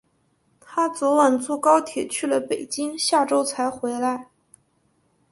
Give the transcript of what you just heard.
她昨晚坐高铁去了北京，下周才回来。